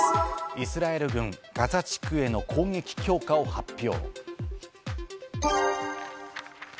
イスラエル軍、ガザ地区への攻撃強化を発表。